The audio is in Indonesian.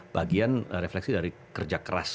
bagian refleksi dari kerja keras